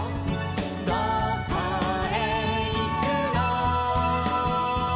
「どこへいくの」